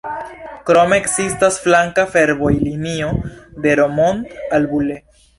Krome ekzistas flanka fervojlinio de Romont al Bulle.